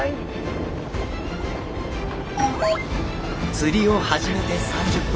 釣りを始めて３０分。